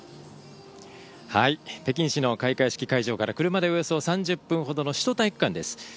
北京市の開会式会場から車でおよそ３０分ほどの首都体育館です。